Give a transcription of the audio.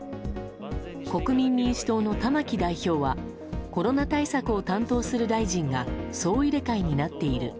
国民民主党の玉木代表はコロナ対策を担当する大臣が総入れ替えになっている。